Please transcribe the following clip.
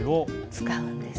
使うんです。